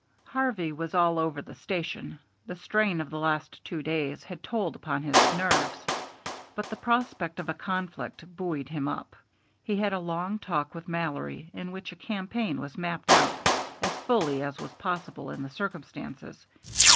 Harvey was all over the station. The strain of the last two days had told upon his nerves, but the prospect of a conflict buoyed him up. He had a long talk with Mallory, in which a campaign was mapped out as fully as was possible in the circumstances.